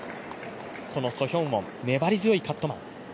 このソ・ヒョウォン、粘り強いカットマン。